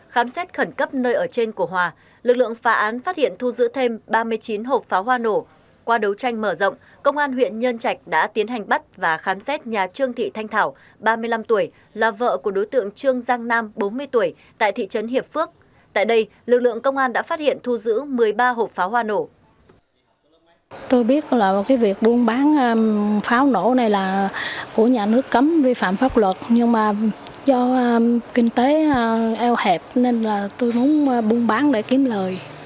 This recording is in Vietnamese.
khám xét khẩn cấp nơi ở trên của hòa lực lượng phá án phát hiện thu giữ thêm ba mươi chín hộp pháo hoa nổ qua đấu tranh mở rộng công an huyện nhân trạch đã tiến hành bắt và khám xét nhà trương thị thanh thảo ba mươi năm tuổi là vợ của đối tượng trương giang nam bốn mươi tuổi tại thị trấn hiệp phước tại đây lực lượng công an đã phát hiện thu giữ một mươi ba hộp pháo hoa nổ